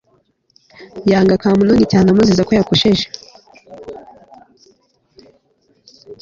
yanga k Amunoni cyane amuziza ko yakojeje